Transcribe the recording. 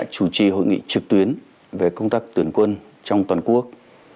chủ trì hội nghị trực tuyến về công tác tuyển quân trong toàn quốc